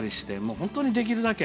本当にできるだけ。